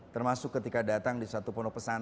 termasuk ketika datang di satu pondok pesantren